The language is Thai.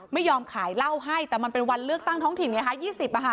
ไม่ยอมขายเหล้าให้แต่มันเป็นวันเลือกตั้งท้องถิ่นไงคะ๒๐